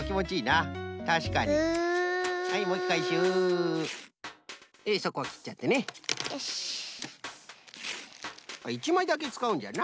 あっ１まいだけつかうんじゃな。